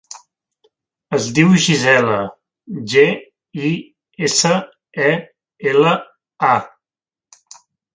Es diu Gisela: ge, i, essa, e, ela, a.